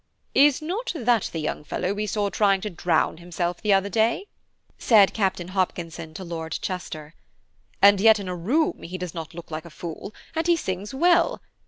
"Is not that the young fellow we saw trying to drown himself the other day?" said Captain Hopkinson to Lord Chester; "and yet in a room he does not look like a fool, and he sings well.